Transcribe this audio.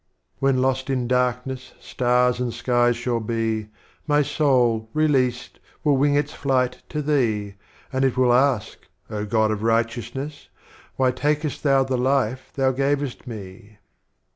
When lost in Darkness Stars and Skies shall be. My Soul, released, will winii^ its flight to Thee, And it will ask. Oh God of Righteousness, Why takest Thou the Life Thou Gavest me?